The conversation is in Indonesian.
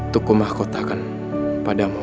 tukumah kotakan padamu mamaku